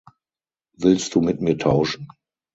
Willst du mit mir tauschen?